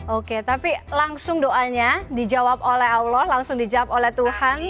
oke tapi langsung doanya dijawab oleh allah langsung dijawab oleh tuhan